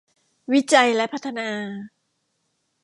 วิจัยและพัฒนา